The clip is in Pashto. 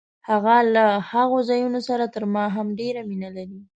هغه له هغو ځایونو سره تر ما هم ډېره مینه لري.